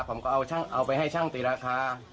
ผมก็เอาไปให้ช่างตีราคา